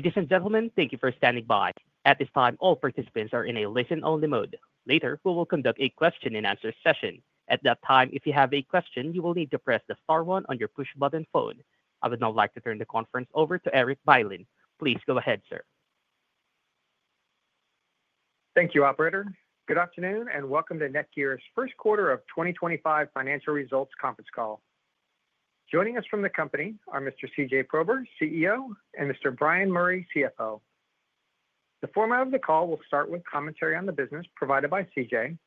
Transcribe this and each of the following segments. Ladies and gentlemen, thank you for standing by. At this time, all participants are in a listen-only mode. Later, we will conduct a question-and-answer session. At that time, if you have a question, you will need to press the star one on your push-button phone. I would now like to turn the conference over to Erik Bylin. Please go ahead, sir. Thank you, Operator. Good afternoon and welcome to NETGEAR's first quarter of 2025 financial results conference call. Joining us from the company are Mr. CJ Prober, CEO, and Mr. Bryan Murray, CFO. The format of the call will start with commentary on the business provided by CJ,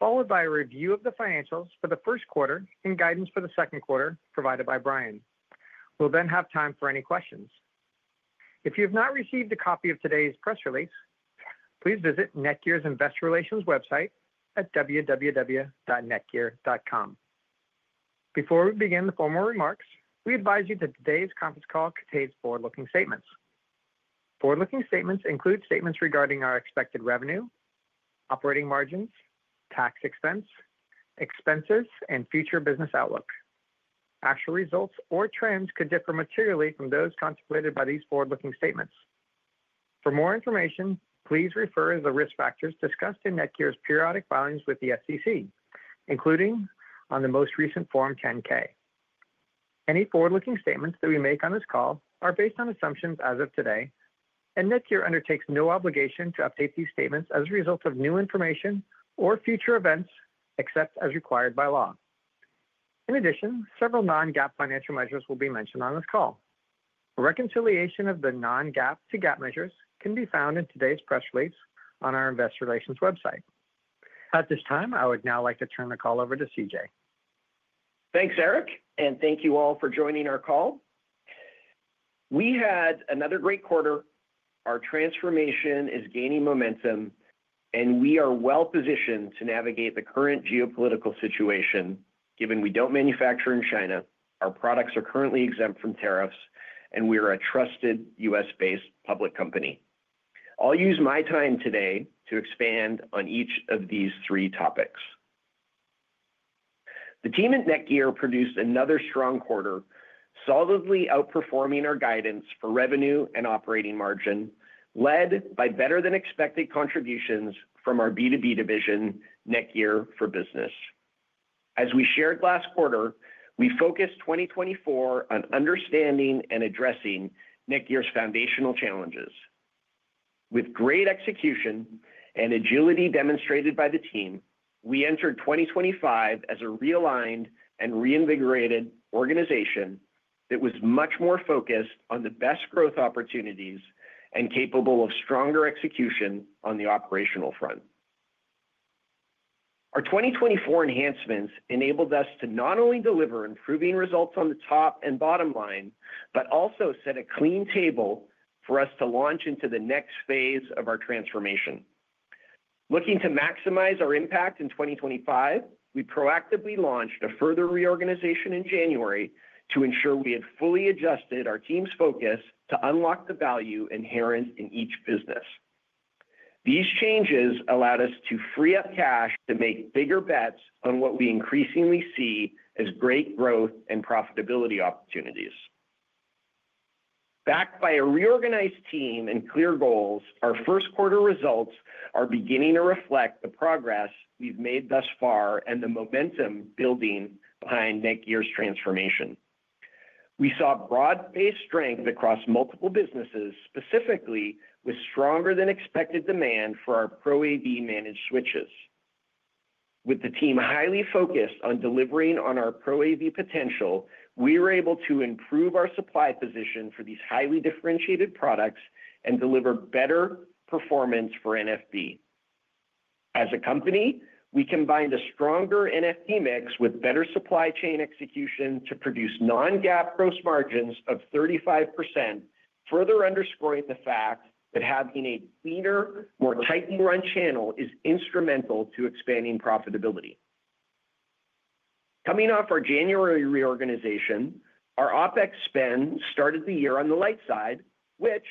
followed by a review of the financials for the first quarter and guidance for the second quarter provided by Bryan. We'll then have time for any questions. If you have not received a copy of today's press release, please visit NETGEAR's Investor Relations website at www.netgear.com. Before we begin the formal remarks, we advise you that today's conference call contains forward-looking statements. Forward-looking statements include statements regarding our expected revenue, operating margins, tax expense, expenses, and future business outlook. Actual results or trends could differ materially from those contemplated by these forward-looking statements. For more information, please refer to the risk factors discussed in NETGEAR's periodic filings with the SEC, including on the most recent Form 10-K. Any forward-looking statements that we make on this call are based on assumptions as of today, and NETGEAR undertakes no obligation to update these statements as a result of new information or future events except as required by law. In addition, several non-GAAP financial measures will be mentioned on this call. A reconciliation of the non-GAAP to GAAP measures can be found in today's press release on our Investor Relations website. At this time, I would now like to turn the call over to CJ. Thanks, Erik, and thank you all for joining our call. We had another great quarter. Our transformation is gaining momentum, and we are well-positioned to navigate the current geopolitical situation given we do not manufacture in China. Our products are currently exempt from tariffs, and we are a trusted U.S.-based public company. I'll use my time today to expand on each of these three topics. The team at NETGEAR produced another strong quarter, solidly outperforming our guidance for revenue and operating margin, led by better-than-expected contributions from our B2B division, NETGEAR for Business. As we shared last quarter, we focused 2024 on understanding and addressing NETGEAR's foundational challenges. With great execution and agility demonstrated by the team, we entered 2025 as a realigned and reinvigorated organization that was much more focused on the best growth opportunities and capable of stronger execution on the operational front. Our 2024 enhancements enabled us to not only deliver improving results on the top and bottom line, but also set a clean table for us to launch into the next phase of our transformation. Looking to maximize our impact in 2025, we proactively launched a further reorganization in January to ensure we had fully adjusted our team's focus to unlock the value inherent in each business. These changes allowed us to free up cash to make bigger bets on what we increasingly see as great growth and profitability opportunities. Backed by a reorganized team and clear goals, our first quarter results are beginning to reflect the progress we've made thus far and the momentum building behind NETGEAR's transformation. We saw broad-based strength across multiple businesses, specifically with stronger-than-expected demand for our Pro AV managed switches. With the team highly focused on delivering on our Pro AV potential, we were able to improve our supply position for these highly differentiated products and deliver better performance for NFB. As a company, we combined a stronger NFB mix with better supply chain execution to produce non-GAAP gross margins of 35%, further underscoring the fact that having a cleaner, more tightly run channel is instrumental to expanding profitability. Coming off our January reorganization, our OpEx spend started the year on the light side, which,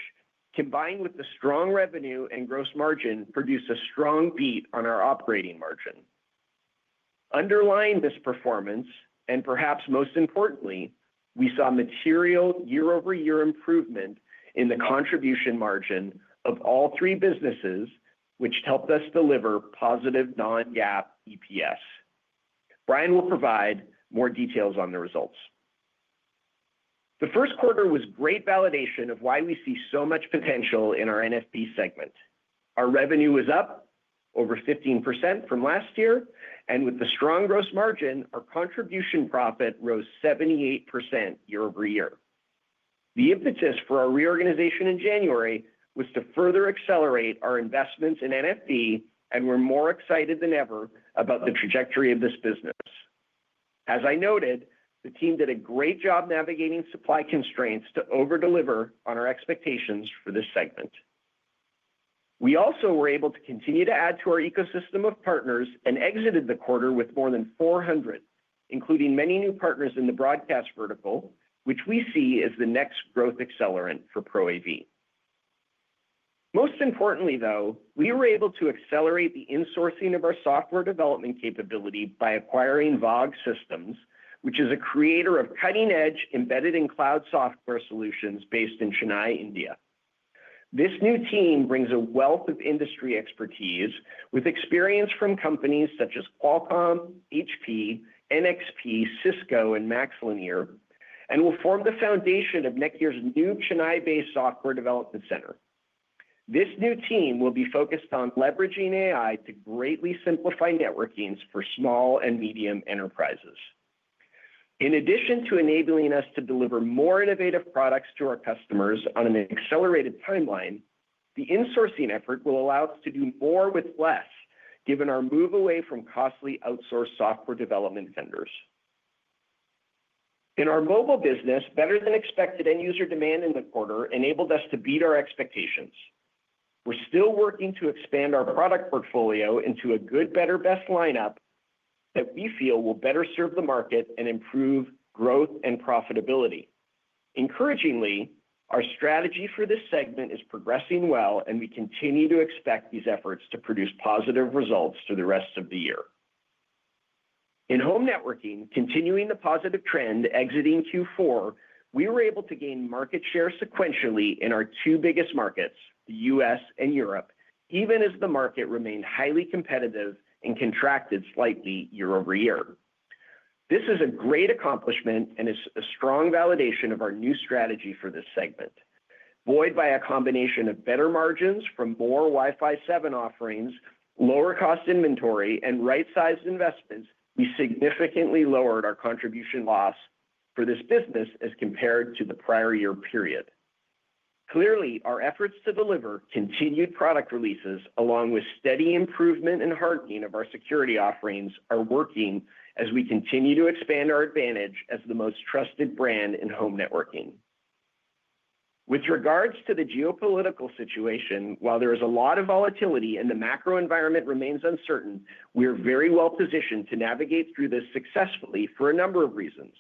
combined with the strong revenue and gross margin, produced a strong beat on our operating margin. Underlying this performance, and perhaps most importantly, we saw material year-over-year improvement in the contribution margin of all three businesses, which helped us deliver positive non-GAAP EPS. Bryan will provide more details on the results. The first quarter was great validation of why we see so much potential in our NFB segment. Our revenue is up over 15% from last year, and with the strong gross margin, our contribution profit rose 78% year-over-year. The impetus for our reorganization in January was to further accelerate our investments in NFB, and we're more excited than ever about the trajectory of this business. As I noted, the team did a great job navigating supply constraints to overdeliver on our expectations for this segment. We also were able to continue to add to our ecosystem of partners and exited the quarter with more than 400, including many new partners in the broadcast vertical, which we see as the next growth accelerant for Pro AV. Most importantly, though, we were able to accelerate the insourcing of our software development capability by acquiring VAAG Systems, which is a creator of cutting-edge embedded-in-cloud software solutions based in Chennai, India. This new team brings a wealth of industry expertise with experience from companies such as Qualcomm, HP, NXP, Cisco, and MaxLinear, and will form the foundation of NETGEAR's new Chennai-based software development center. This new team will be focused on leveraging AI to greatly simplify networking for small and medium enterprises. In addition to enabling us to deliver more innovative products to our customers on an accelerated timeline, the insourcing effort will allow us to do more with less, given our move away from costly outsourced software development vendors. In our Mobile business, better-than-expected end-user demand in the quarter enabled us to beat our expectations. We're still working to expand our product portfolio into a good, better, best lineup that we feel will better serve the market and improve growth and profitability. Encouragingly, our strategy for this segment is progressing well, and we continue to expect these efforts to produce positive results through the rest of the year. In home networking, continuing the positive trend exiting Q4, we were able to gain market share sequentially in our two biggest markets, the U.S. and Europe, even as the market remained highly competitive and contracted slightly year-over-year. This is a great accomplishment and is a strong validation of our new strategy for this segment. Buoyed by a combination of better margins from more WiFi 7 offerings, lower cost inventory, and right-sized investments, we significantly lowered our contribution loss for this business as compared to the prior year period. Clearly, our efforts to deliver continued product releases, along with steady improvement and hardening of our security offerings, are working as we continue to expand our advantage as the most trusted brand in home networking. With regards to the geopolitical situation, while there is a lot of volatility and the macro environment remains uncertain, we are very well-positioned to navigate through this successfully for a number of reasons.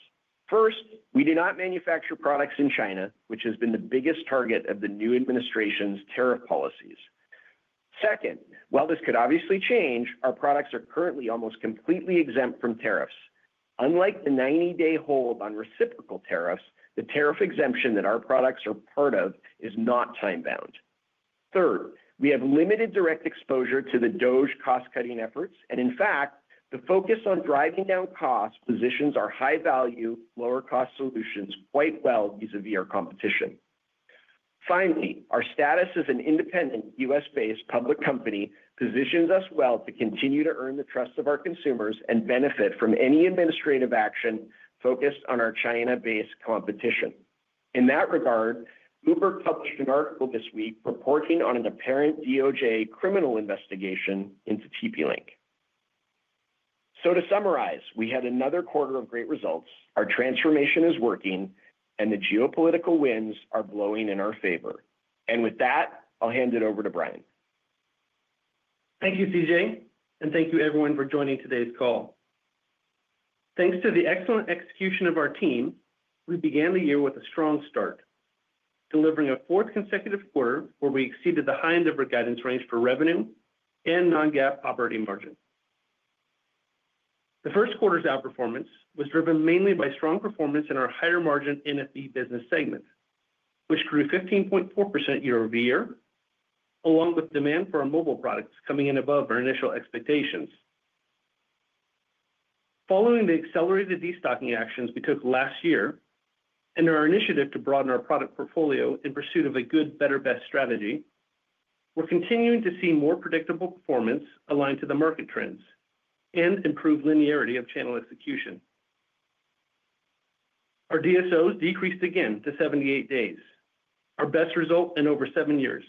First, we do not manufacture products in China, which has been the biggest target of the new administration's tariff policies. Second, while this could obviously change, our products are currently almost completely exempt from tariffs. Unlike the 90-day hold on reciprocal tariffs, the tariff exemption that our products are part of is not time-bound. Third, we have limited direct exposure to the DOGE cost-cutting efforts, and in fact, the focus on driving down costs positions our high-value, lower-cost solutions quite well vis-à-vis our competition. Finally, our status as an independent U.S.-based public company positions us well to continue to earn the trust of our consumers and benefit from any administrative action focused on our China-based competition. In that regard, Bloomberg published an article this week reporting on an apparent DOJ criminal investigation into TP-Link. To summarize, we had another quarter of great results, our transformation is working, and the geopolitical winds are blowing in our favor. With that, I'll hand it over to Bryan. Thank you, CJ, and thank you, everyone, for joining today's call. Thanks to the excellent execution of our team, we began the year with a strong start, delivering a fourth consecutive quarter where we exceeded the high end of our guidance range for revenue and non-GAAP operating margin. The first quarter's outperformance was driven mainly by strong performance in our higher-margin NFB business segment, which grew 15.4% year-over-year, along with demand for our mobile products coming in above our initial expectations. Following the accelerated destocking actions we took last year and our initiative to broaden our product portfolio in pursuit of a good, better, best strategy, we're continuing to see more predictable performance aligned to the market trends and improved linearity of channel execution. Our DSOs decreased again to 78 days, our best result in over seven years.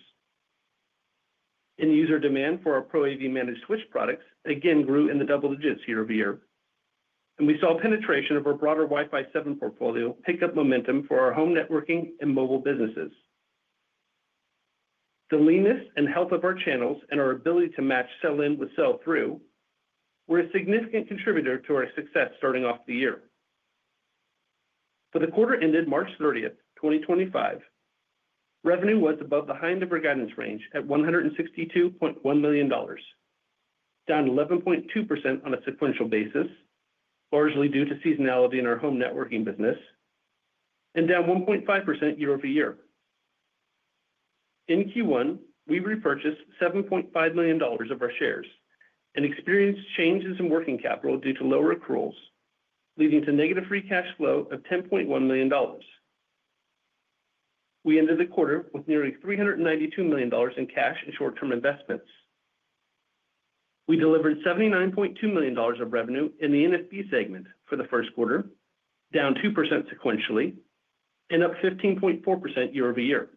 User demand for our Pro AV-managed switch products again grew in the double digits year-over-year. We saw penetration of our broader WiFi 7 portfolio pick up momentum for our home networking and mobile businesses. The leanness and health of our channels and our ability to match sell-in with sell-through were a significant contributor to our success starting off the year. For the quarter ended March 30th, 2025, revenue was above the high end of our guidance range at $162.1 million, down 11.2% on a sequential basis, largely due to seasonality in our home networking business, and down 1.5% year-over-year. In Q1, we repurchased $7.5 million of our shares and experienced changes in working capital due to lower accruals, leading to negative free cash flow of $10.1 million. We ended the quarter with nearly $392 million in cash and short-term investments. We delivered $79.2 million of revenue in the NFB segment for the first quarter, down 2% sequentially and up 15.4% year-over-year.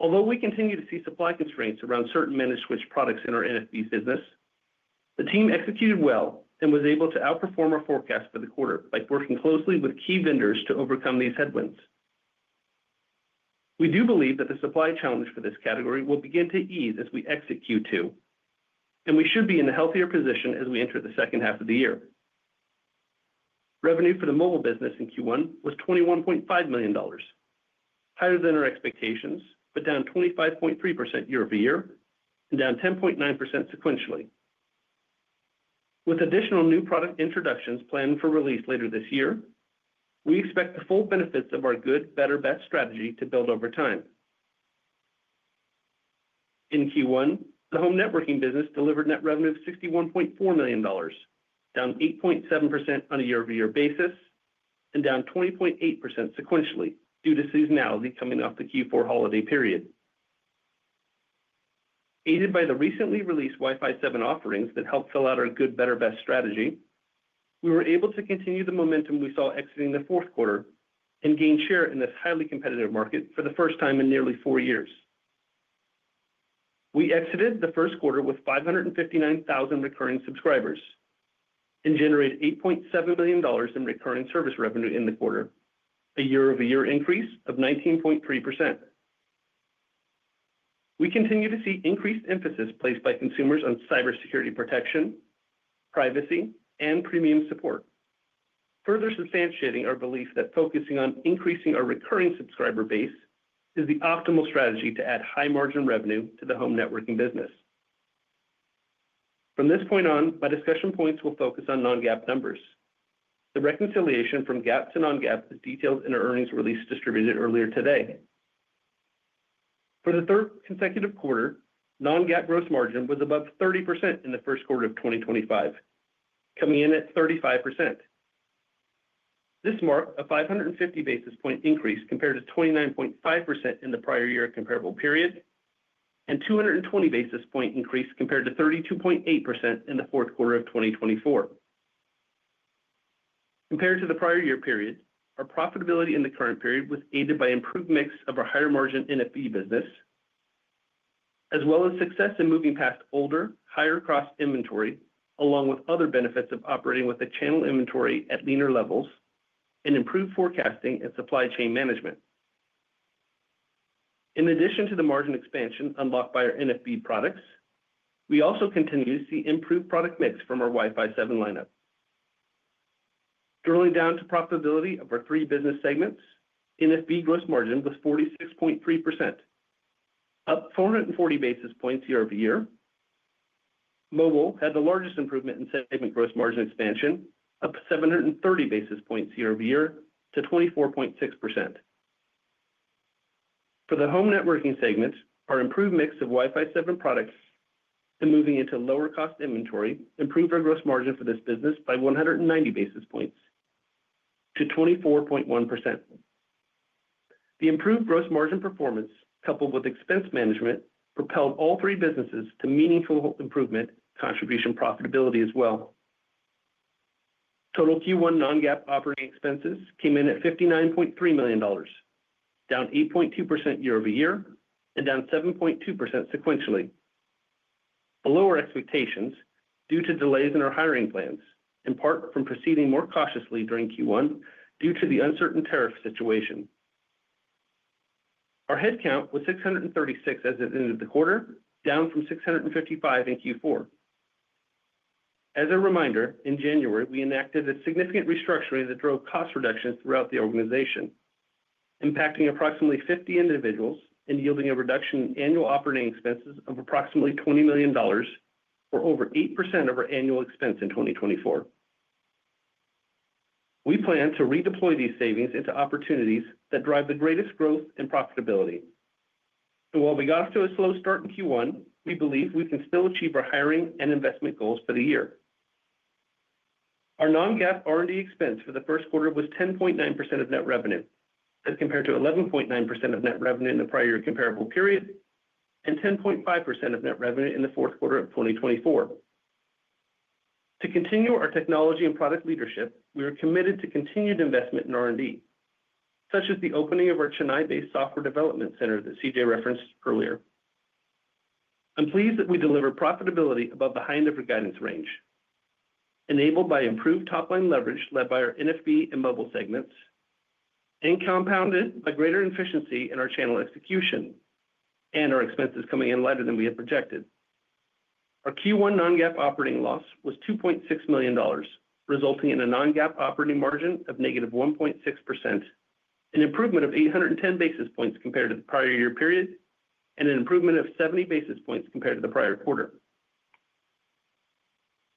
Although we continue to see supply constraints around certain managed switch products in our NFB business, the team executed well and was able to outperform our forecast for the quarter by working closely with key vendors to overcome these headwinds. We do believe that the supply challenge for this category will begin to ease as we exit Q2, and we should be in a healthier position as we enter the second half of the year. Revenue for the mobile business in Q1 was $21.5 million, higher than our expectations, but down 25.3% year-over-year and down 10.9% sequentially. With additional new product introductions planned for release later this year, we expect the full benefits of our good, better, best strategy to build over time. In Q1, the home networking business delivered net revenue of $61.4 million, down 8.7% on a year-over-year basis, and down 20.8% sequentially due to seasonality coming off the Q4 holiday period. Aided by the recently released WiFi 7 offerings that helped fill out our good, better, best strategy, we were able to continue the momentum we saw exiting the fourth quarter and gain share in this highly competitive market for the first time in nearly four years. We exited the first quarter with 559,000 recurring subscribers and generated $8.7 million in recurring service revenue in the quarter, a year-over-year increase of 19.3%. We continue to see increased emphasis placed by consumers on cybersecurity protection, privacy, and premium support, further substantiating our belief that focusing on increasing our recurring subscriber base is the optimal strategy to add high-margin revenue to the home networking business. From this point on, my discussion points will focus on non-GAAP numbers. The reconciliation from GAAP to non-GAAP is detailed in our earnings release distributed earlier today. For the third consecutive quarter, non-GAAP gross margin was above 30% in the first quarter of 2025, coming in at 35%. This marked a 550 basis point increase compared to 29.5% in the prior year comparable period and 220 basis point increase compared to 32.8% in the fourth quarter of 2024. Compared to the prior year period, our profitability in the current period was aided by improved mix of our higher-margin NFB business, as well as success in moving past older, higher-cost inventory, along with other benefits of operating with a channel inventory at leaner levels and improved forecasting and supply chain management. In addition to the margin expansion unlocked by our NFB products, we also continue to see improved product mix from our WiFi 7 lineup. Drilling down to profitability of our three business segments, NFB gross margin was 46.3%, up 440 basis points year-over-year. Mobile had the largest improvement in segment gross margin expansion, up 730 basis points year-over-year to 24.6%. For the home networking segment, our improved mix of WiFi 7 products and moving into lower-cost inventory improved our gross margin for this business by 190 basis points to 24.1%. The improved gross margin performance, coupled with expense management, propelled all three businesses to meaningful improvement, contribution profitability as well. Total Q1 non-GAAP operating expenses came in at $59.3 million, down 8.2% year-over-year and down 7.2% sequentially, below our expectations due to delays in our hiring plans, in part from proceeding more cautiously during Q1 due to the uncertain tariff situation. Our headcount was 636 as it ended the quarter, down from 655 in Q4. As a reminder, in January, we enacted a significant restructuring that drove cost reductions throughout the organization, impacting approximately 50 individuals and yielding a reduction in annual operating expenses of approximately $20 million or over 8% of our annual expense in 2024. We plan to redeploy these savings into opportunities that drive the greatest growth and profitability. While we got off to a slow start in Q1, we believe we can still achieve our hiring and investment goals for the year. Our non-GAAP R&D expense for the first quarter was 10.9% of net revenue, as compared to 11.9% of net revenue in the prior year comparable period and 10.5% of net revenue in the fourth quarter of 2024. To continue our technology and product leadership, we are committed to continued investment in R&D, such as the opening of our Chennai-based software development center that CJ referenced earlier. I'm pleased that we delivered profitability above the high end of our guidance range, enabled by improved top-line leverage led by our NFB and mobile segments, and compounded by greater efficiency in our channel execution and our expenses coming in lighter than we had projected. Our Q1 non-GAAP operating loss was $2.6 million, resulting in a non-GAAP operating margin of -1.6%, an improvement of 810 basis points compared to the prior year period, and an improvement of 70 basis points compared to the prior quarter.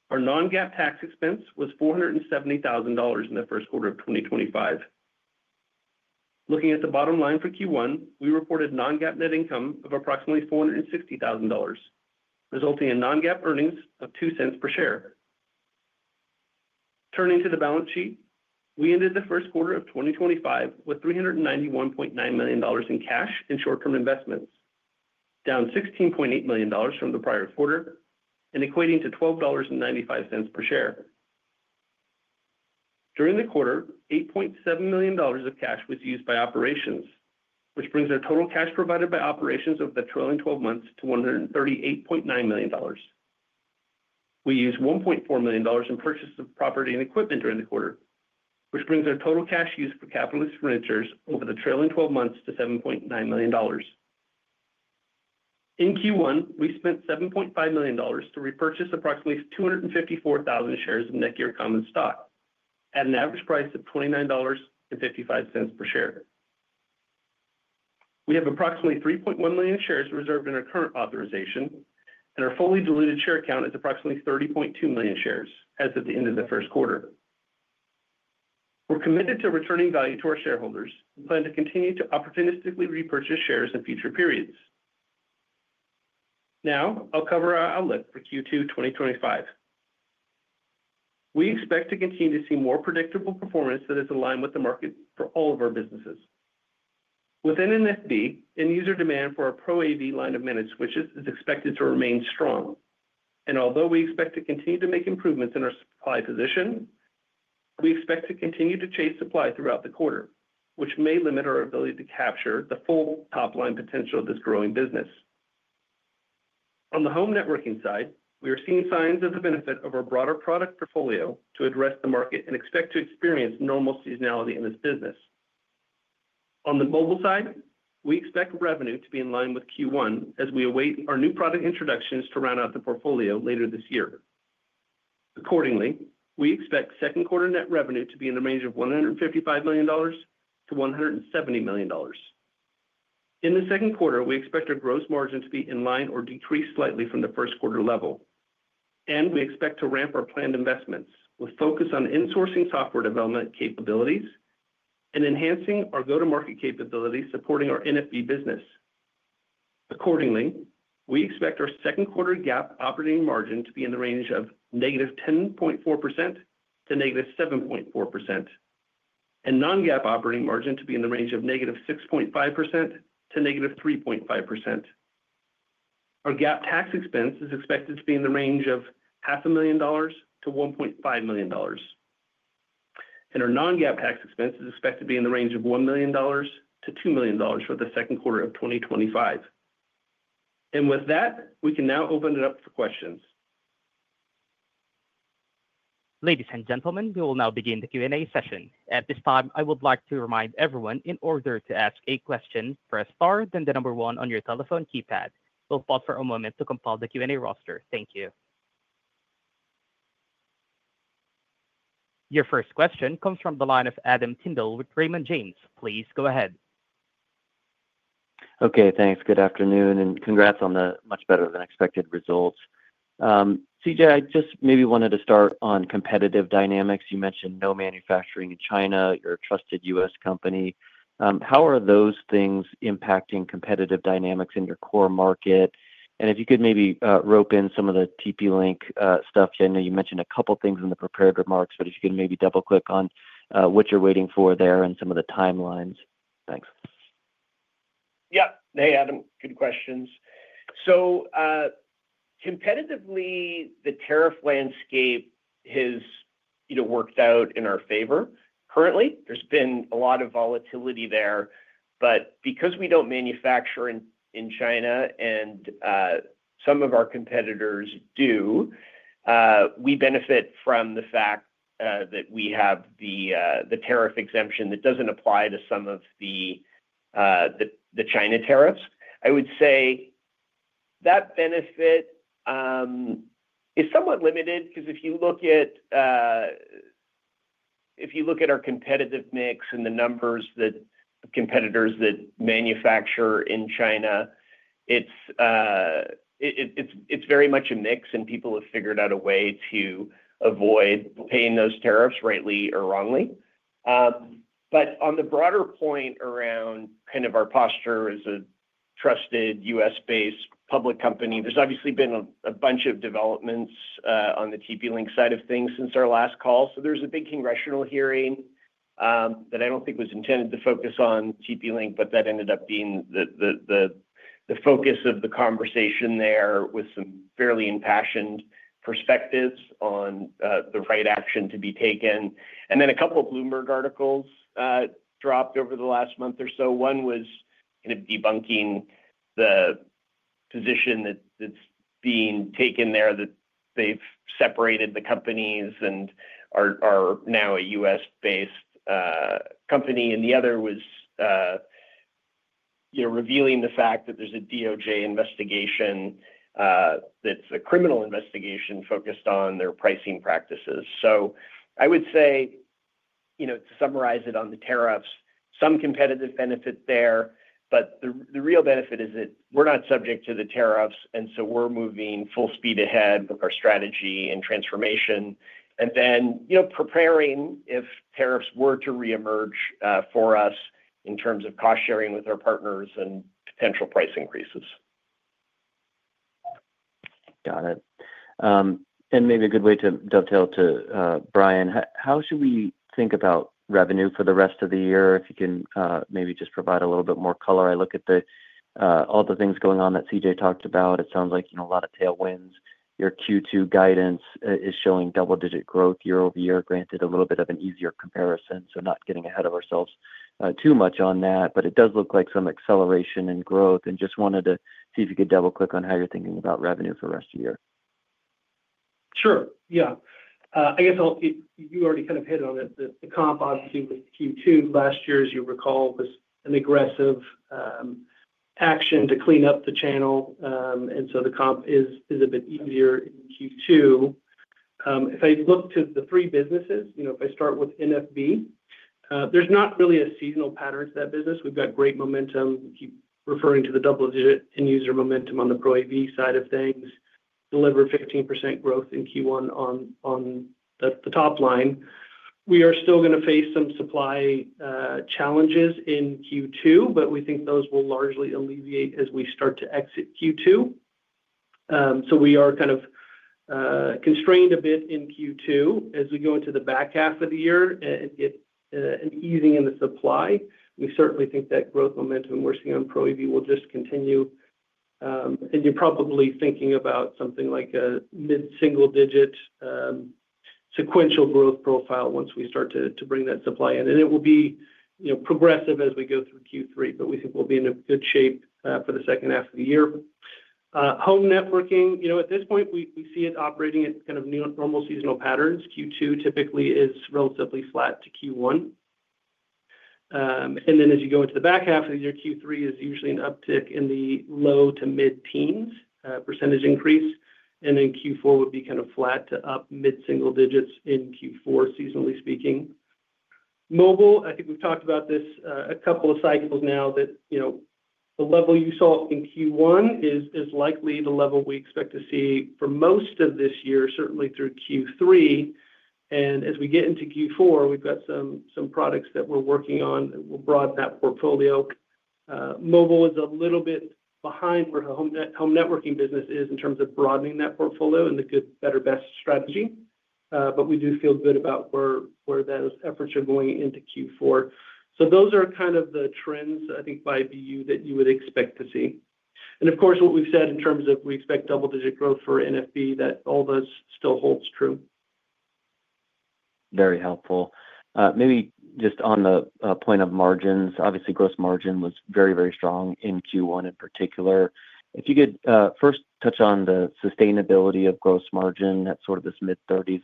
Our non-GAAP tax expense was $470,000 in the first quarter of 2025. Looking at the bottom line for Q1, we reported non-GAAP net income of approximately $460,000, resulting in non-GAAP earnings of $0.02 per share. Turning to the balance sheet, we ended the first quarter of 2025 with $391.9 million in cash and short-term investments, down $16.8 million from the prior quarter and equating to $12.95 per share. During the quarter, $8.7 million of cash was used by operations, which brings our total cash provided by operations over the trailing 12 months to $138.9 million. We used $1.4 million in purchases of property and equipment during the quarter, which brings our total cash used for capital expenditures over the trailing 12 months to $7.9 million. In Q1, we spent $7.5 million to repurchase approximately 254,000 shares of NETGEAR Common Stock at an average price of $29.55 per share. We have approximately 3.1 million shares reserved in our current authorization, and our fully diluted share count is approximately 30.2 million shares as of the end of the first quarter. We're committed to returning value to our shareholders and plan to continue to opportunistically repurchase shares in future periods. Now, I'll cover our outlook for Q2 2025. We expect to continue to see more predictable performance that is aligned with the market for all of our businesses. Within NFB, end-user demand for our Pro AV line of managed switches is expected to remain strong. Although we expect to continue to make improvements in our supply position, we expect to continue to chase supply throughout the quarter, which may limit our ability to capture the full top-line potential of this growing business. On the home networking side, we are seeing signs of the benefit of our broader product portfolio to address the market and expect to experience normal seasonality in this business. On the mobile side, we expect revenue to be in line with Q1 as we await our new product introductions to round out the portfolio later this year. Accordingly, we expect second quarter net revenue to be in the range of $155 million-$170 million. In the second quarter, we expect our gross margin to be in line or decrease slightly from the first quarter level. We expect to ramp our planned investments with focus on insourcing software development capabilities and enhancing our go-to-market capabilities supporting our NFB business. Accordingly, we expect our second quarter GAAP operating margin to be in the range of -10.4% to -7.4%, and non-GAAP operating margin to be in the range of -6.5% to -3.5%. Our GAAP tax expense is expected to be in the range of $500,000-$1.5 million. Our non-GAAP tax expense is expected to be in the range of $1 million-$2 million for the second quarter of 2025. With that, we can now open it up for questions. Ladies and gentlemen, we will now begin the Q&A session. At this time, I would like to remind everyone, in order to ask a question, press star then the number one on your telephone keypad. We'll pause for a moment to compile the Q&A roster. Thank you. Your first question comes from the line of Adam Tindle with Raymond James. Please go ahead. Okay, thanks. Good afternoon, and congrats on the much better than expected results. CJ, I just maybe wanted to start on competitive dynamics. You mentioned no manufacturing in China, you're a trusted U.S. company. How are those things impacting competitive dynamics in your core market? If you could maybe rope in some of the TP-Link stuff. I know you mentioned a couple of things in the prepared remarks, but if you could maybe double-click on what you're waiting for there and some of the timelines. Thanks. Yeah. Hey, Adam. Good questions. Competitively, the tariff landscape has worked out in our favor. Currently, there's been a lot of volatility there. Because we don't manufacture in China and some of our competitors do, we benefit from the fact that we have the tariff exemption that doesn't apply to some of the China tariffs. I would say that benefit is somewhat limited because if you look at our competitive mix and the numbers that competitors that manufacture in China, it's very much a mix, and people have figured out a way to avoid paying those tariffs rightly or wrongly. On the broader point around kind of our posture as a trusted U.S.-based public company, there's obviously been a bunch of developments on the TP-Link side of things since our last call. There's a big congressional hearing that I don't think was intended to focus on TP-Link, but that ended up being the focus of the conversation there with some fairly impassioned perspectives on the right action to be taken. A couple of Bloomberg articles dropped over the last month or so. One was kind of debunking the position that's being taken there that they've separated the companies and are now a U.S.-based company. The other was revealing the fact that there's a DOJ investigation that's a criminal investigation focused on their pricing practices. I would say, to summarize it on the tariffs, some competitive benefit there, but the real benefit is that we're not subject to the tariffs, and we're moving full speed ahead with our strategy and transformation. We're preparing if tariffs were to reemerge for us in terms of cost-sharing with our partners and potential price increases. Got it. Maybe a good way to dovetail to Bryan, how should we think about revenue for the rest of the year? If you can maybe just provide a little bit more color. I look at all the things going on that CJ talked about. It sounds like a lot of tailwinds. Your Q2 guidance is showing double-digit growth year-over-year, granted a little bit of an easier comparison, not getting ahead of ourselves too much on that. It does look like some acceleration in growth. I just wanted to see if you could double-click on how you're thinking about revenue for the rest of the year. Sure. Yeah. I guess you already kind of hit on it. The comp obviously was Q2. Last year, as you recall, was an aggressive action to clean up the channel. The comp is a bit easier in Q2. If I look to the three businesses, if I start with NFB, there's not really a seasonal pattern to that business. We've got great momentum. Keep referring to the double-digit end-user momentum on the Pro AV side of things, delivered 15% growth in Q1 on the top line. We are still going to face some supply challenges in Q2, but we think those will largely alleviate as we start to exit Q2. We are kind of constrained a bit in Q2. As we go into the back half of the year, an easing in the supply, we certainly think that growth momentum we're seeing on ProAV will just continue. You're probably thinking about something like a mid-single-digit sequential growth profile once we start to bring that supply in. It will be progressive as we go through Q3, but we think we'll be in good shape for the second half of the year. Home networking, at this point, we see it operating at kind of normal seasonal patterns. Q2 typically is relatively flat to Q1. As you go into the back half of the year, Q3 is usually an uptick in the low to mid-teens percentage increase. Q4 would be kind of flat to up mid-single digits in Q4, seasonally speaking. Mobile, I think we've talked about this a couple of cycles now, that the level you saw in Q1 is likely the level we expect to see for most of this year, certainly through Q3. As we get into Q4, we've got some products that we're working on that will broaden that portfolio. Mobile is a little bit behind where the home networking business is in terms of broadening that portfolio and the good, better, best strategy. We do feel good about where those efforts are going into Q4. Those are kind of the trends, I think, by BU that you would expect to see. Of course, what we've said in terms of we expect double-digit growth for NFB, that all this still holds true. Very helpful. Maybe just on the point of margins, obviously, gross margin was very, very strong in Q1 in particular. If you could first touch on the sustainability of gross margin, that's sort of this mid-30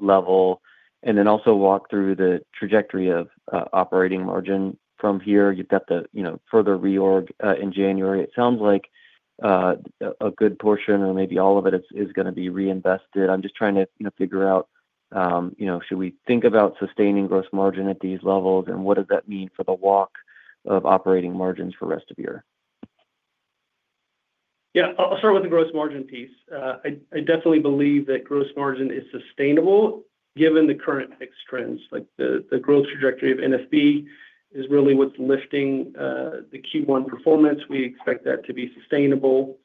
level. Then also walk through the trajectory of operating margin. From here, you've got the further reorg in January. It sounds like a good portion or maybe all of it is going to be reinvested. I'm just trying to figure out, should we think about sustaining gross margin at these levels, and what does that mean for the walk of operating margins for the rest of the year? Yeah. I'll start with the gross margin piece. I definitely believe that gross margin is sustainable given the current fixed trends. The growth trajectory of NFB is really what's lifting the Q1 performance. We expect that to be sustainable.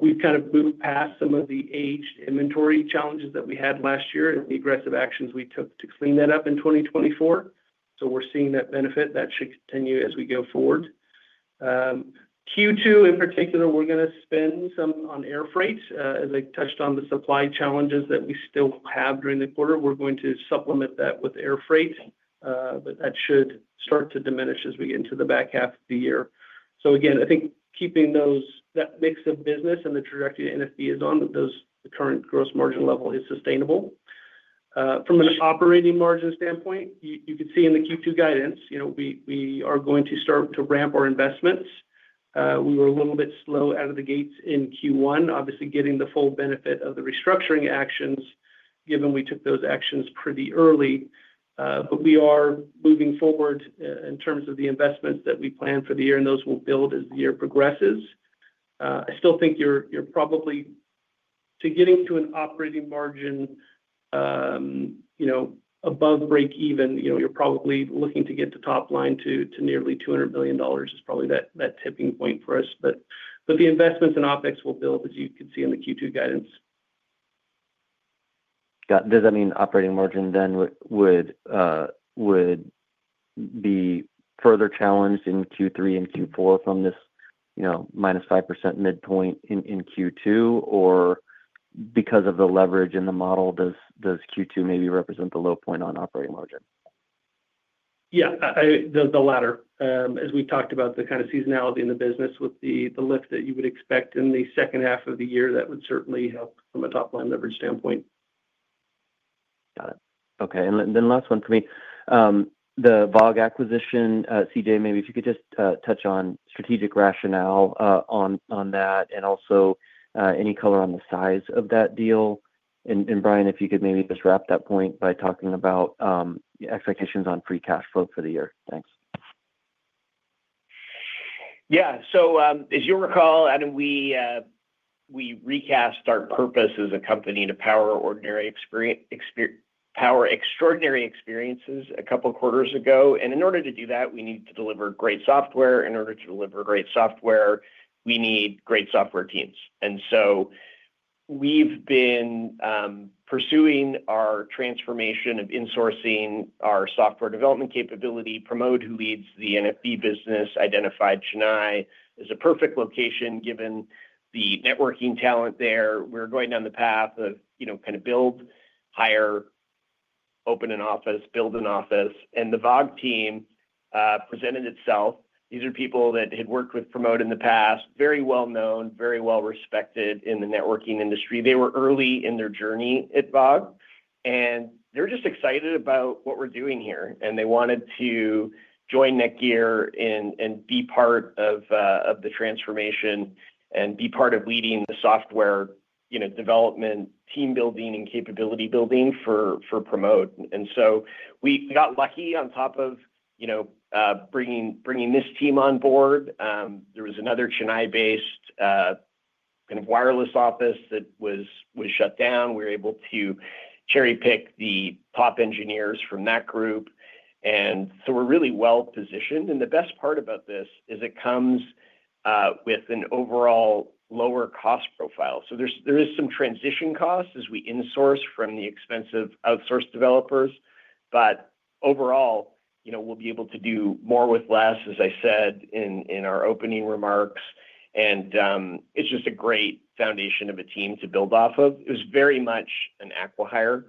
We've kind of moved past some of the aged inventory challenges that we had last year and the aggressive actions we took to clean that up in 2024. We are seeing that benefit. That should continue as we go forward. Q2, in particular, we're going to spend some on air freight. As I touched on the supply challenges that we still have during the quarter, we're going to supplement that with air freight, but that should start to diminish as we get into the back half of the year. I think keeping that mix of business and the trajectory NFB is on, the current gross margin level is sustainable. From an operating margin standpoint, you could see in the Q2 guidance, we are going to start to ramp our investments. We were a little bit slow out of the gates in Q1, obviously getting the full benefit of the restructuring actions, given we took those actions pretty early. We are moving forward in terms of the investments that we plan for the year, and those will build as the year progresses. I still think you're probably to getting to an operating margin above break-even, you're probably looking to get the top line to nearly $200 million is probably that tipping point for us. The investments and optics will build, as you could see in the Q2 guidance. Does that mean operating margin then would be further challenged in Q3 and Q4 from this -5% midpoint in Q2? Because of the leverage in the model, does Q2 maybe represent the low point on operating margin? Yeah. The latter. As we talked about, the kind of seasonality in the business with the lift that you would expect in the second half of the year, that would certainly help from a top-line leverage standpoint. Got it. Okay. Last one for me, the VAAG acquisition, CJ, maybe if you could just touch on strategic rationale on that and also any color on the size of that deal. Bryan, if you could maybe just wrap that point by talking about expectations on free cash flow for the year. Thanks. Yeah. As you'll recall, Adam, we recast our purpose as a company to power extraordinary experiences a couple of quarters ago. In order to do that, we need to deliver great software. In order to deliver great software, we need great software teams. We have been pursuing our transformation of insourcing our software development capability. Pramod, who leads the NETGEAR for Business business, identified Chennai as a perfect location given the networking talent there. We are going down the path of kind of build, hire, open an office, build an office. The VAAG team presented itself. These are people that had worked with Pramod in the past, very well-known, very well-respected in the networking industry. They were early in their journey at VAAG. They are just excited about what we are doing here. They wanted to join NETGEAR and be part of the transformation and be part of leading the software development, team building, and capability building for Pramod. We got lucky on top of bringing this team on board. There was another Chennai-based kind of wireless office that was shut down. We were able to cherry-pick the top engineers from that group. We are really well-positioned. The best part about this is it comes with an overall lower cost profile. There is some transition cost as we insource from the expensive outsourced developers. Overall, we will be able to do more with less, as I said in our opening remarks. It is just a great foundation of a team to build off of. It was very much an acqui-hire.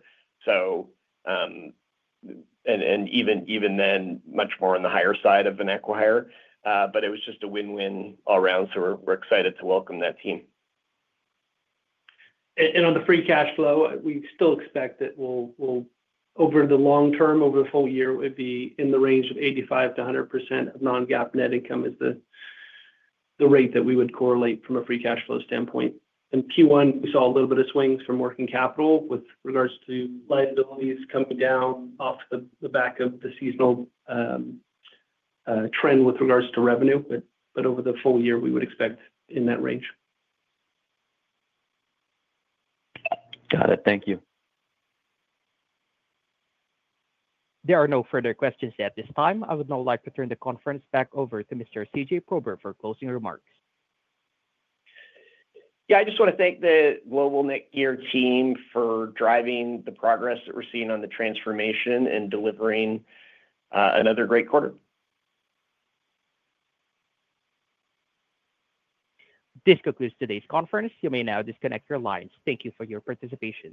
Even then, much more on the higher side of an acqui-hire. It was just a win-win all around. We are excited to welcome that team. On the free cash flow, we still expect that over the long term, over the full year, it would be in the range of 85%-100% of non-GAAP net income is the rate that we would correlate from a free cash flow standpoint. In Q1, we saw a little bit of swings from working capital with regards to liabilities coming down off the back of the seasonal trend with regards to revenue. Over the full year, we would expect in that range. Got it. Thank you. There are no further questions at this time. I would now like to turn the conference back over to Mr. CJ Prober for closing remarks. I just want to thank the Global NETGEAR team for driving the progress that we're seeing on the transformation and delivering another great quarter. This concludes today's conference. You may now disconnect your lines. Thank you for your participation.